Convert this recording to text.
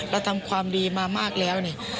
เราทำความดีมามากแล้วนี่